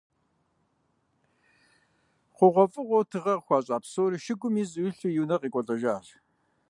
ХъугъуэфӀыгъуэу тыгъэ къыхуащӀа псори шыгум изу илъу, и унэ къекӀуэлӀэжащ.